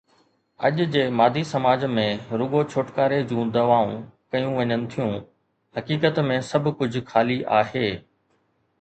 اڄ جي مادي سماج ۾ رڳو ڇوٽڪاري جون دعوائون ڪيون وڃن ٿيون، حقيقت ۾ سڀ ڪجهه خالي آهي.